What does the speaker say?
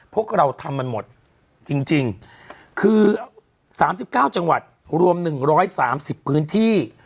พวกเราทำมันหมดจริงคือ๓๙จังหวัดรวม๑๓๐พื้นที่